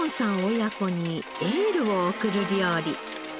親子にエールを送る料理。